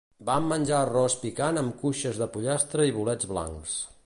Vam menjar arròs picant amb cuixes de pollastre i bolets blancs.